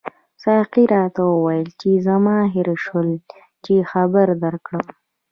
ساقي راته وویل چې زما هېر شول چې خبر درکړم.